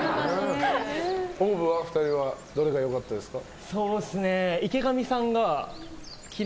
ＯＷＶの２人はどれが良かったですか？